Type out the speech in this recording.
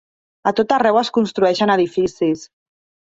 A tot arreu es construeixen edificis.